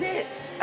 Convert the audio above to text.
あ！